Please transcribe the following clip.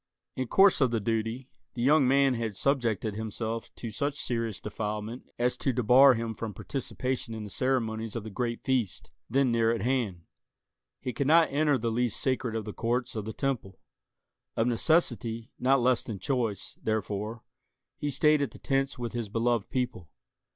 In course of the duty, the young man had subjected himself to such serious defilement as to debar him from participation in the ceremonies of the great feast, then near at hand. He could not enter the least sacred of the courts of the Temple. Of necessity, not less than choice, therefore, he stayed at the tents with his beloved people.